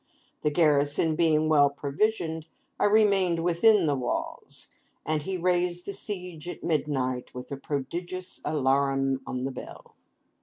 The garrison being well provisioned, I remained within the walls; and he raised the siege at midnight with a prodigious alarum on the bell.